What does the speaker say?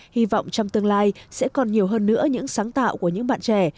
hy vọng trong tương lai sẽ còn nhiều hơn nữa những sáng tạo của những bạn trẻ